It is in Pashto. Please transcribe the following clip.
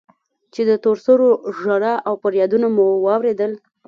چې د تور سرو ژړا و فريادونه مو واورېدل.